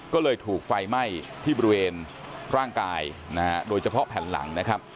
ก็เลยถูกไฟไหม้ที่บริเวณร่างกายนะฮะโดยเฉพาะแผ่นหลังนะครับ